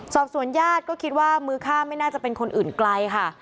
สอบส่วนญาติก็คิดว่ามือฆ่าไม่น่าจะเป็นคนอื่นไกลค่ะ